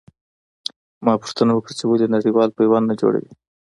ما پوښتنه وکړه چې ولې نړېوال پیوند نه جوړوي.